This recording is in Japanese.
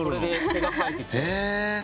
毛が生えてて。